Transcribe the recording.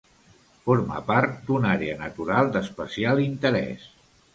Forma part d'una àrea natural d'especial interès.